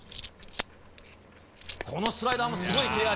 このスライダーも、すごい切れ味。